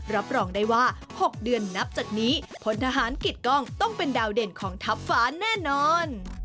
รับรองได้ว่า๖เดือนนับจากนี้พลทหารกิจกล้องต้องเป็นดาวเด่นของทัพฟ้าแน่นอน